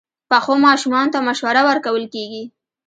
پخو ماشومانو ته مشوره ورکول کېږي